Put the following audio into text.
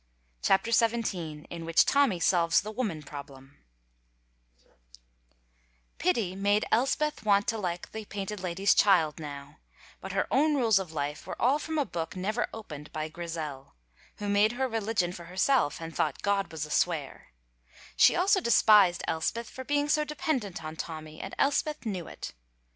CHAPTER XVII IN WHICH TOMMY SOLVES THE WOMAN PROBLEM Pity made Elspeth want to like the Painted Lady's child now, but her own rules of life were all from a book never opened by Grizel, who made her religion for herself and thought God a swear; she also despised Elspeth for being so dependent on Tommy, and Elspeth knew it.